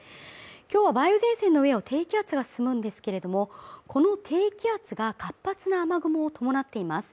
今日は梅雨前線の上を低気圧が進むんですけれども、この低気圧が活発な雨雲を伴っています